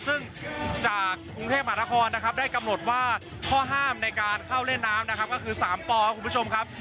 ซึ่งจากกรุงเทพมหานครนะครับได้กำหนดว่าข้อห้ามในการเข้าเล่นน้ำนะครับก็คือ๓ปครับคุณผู้ชมครับ